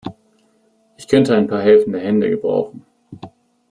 Ich könnte ein paar helfende Hände gebrauchen.